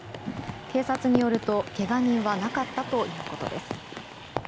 警察によると、けが人はなかったということです。